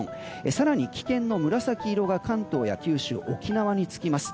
更に危険の紫色が関東や九州、沖縄につきます。